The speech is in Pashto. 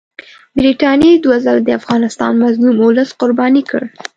برټانیې دوه ځله د افغانستان مظلوم اولس قرباني کړ.